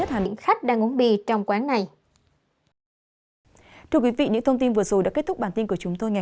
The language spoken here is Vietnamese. hãy đăng ký kênh để ủng hộ kênh của chúng mình nhé